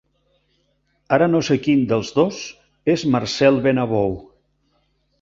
Ara no sé quin dels dos és Marcel Benabou.